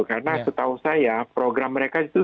karena setahu saya program mereka itu